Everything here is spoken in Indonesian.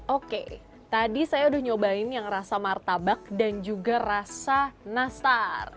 oke tadi saya udah nyobain yang rasa martabak dan juga rasa nastar